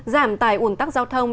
giảm tài uổng tắc giao thông